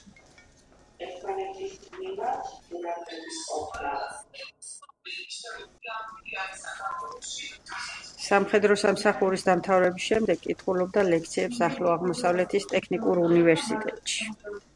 სამხედრო სამსახურის დამთავრების შემდეგ კითხულობდა ლექციებს ახლო აღმოსავლეთის ტექნიკურ უნივერსიტეტში.